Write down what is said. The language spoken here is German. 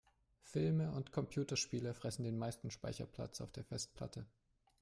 Filme und Computerspiele fressen den meisten Speicherplatz auf der Festplatte.